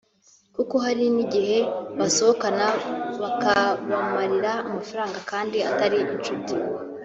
kuko hari n’igihe basohokana bakabamarira amafaranga kandi atari inshuti